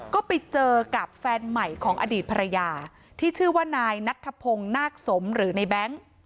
ก็ไปเจอกับแฟนใหม่ของอดีตภรรยาที่ชื่อว่านายนัทธพงศ์นาคสมหรือในแบงค์